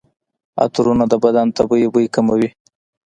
عطرونه د بدن طبیعي بوی کموي.